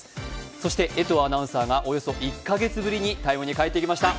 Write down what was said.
そして江藤アナウンサーがおよそ１か月ぶりに「ＴＩＭＥ，」に帰ってきました。